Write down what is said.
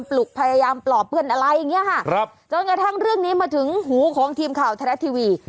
ปลุกพยายามปลอบเพื่อนอะไรอย่างนี้ค่ะครับจนกระทั่งเรื่องนี้มาถึงหูของทีมข่าวไทยรัฐทีวี